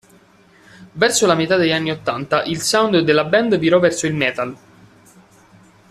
Verso la metà degli anni ottanta il sound della band virò verso il metal.